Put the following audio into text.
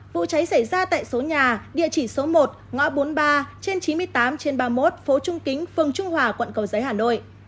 vụ cháy xảy ra tại số nhà địa chỉ số một ngõ bốn mươi ba trên chín mươi tám trên ba mươi một phố trung kính phường trung hòa quận cầu giấy hà nội